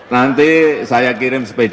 nanti saya kirim sepeda